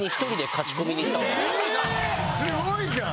すごいじゃん！